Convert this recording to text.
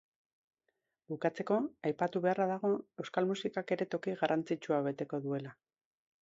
Bukatzeko, aipatu beharra dago, euskal musikak ere toki garrantzitsua beteko duela.